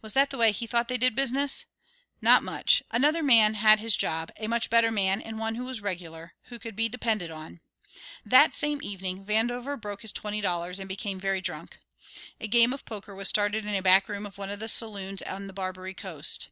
Was that the way he thought they did business? Not much; another man had his job, a much better man and one who was regular, who could be depended on. That same evening Vandover broke his twenty dollars and became very drunk. A game of poker was started in a back room of one of the saloons on the Barbary Coast.